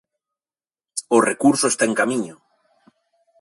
O recurso está en camiño.